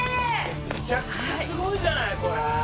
むちゃくちゃすごいじゃないこれ！